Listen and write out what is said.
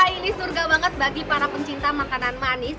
ini surga banget bagi para pencinta makanan manis